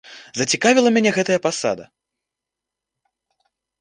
Зацікавіла мяне гэтая пасада.